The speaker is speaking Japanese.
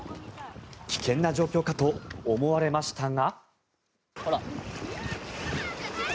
危険な状況かと思われましたが。